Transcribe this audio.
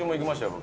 僕。